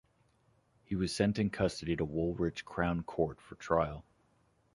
He was sent in custody to Woolwich Crown Court for trial.